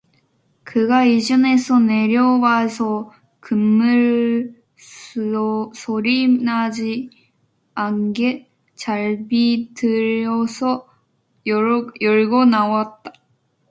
그가 이층에서 내려와서 큰문을 소리나지 않게 잘 비틀어서 열고 나왔다.